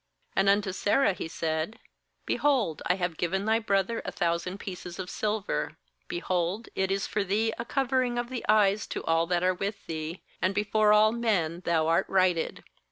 16And unto Sarah he said: 'Behold, I have given thy brother a thousand pieces of silver; behold, it is for thee a covering of the eyes to all that are with thee; and before all men thou art righted.'